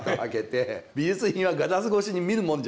美術品はガラス越しに見るもんじゃないっていう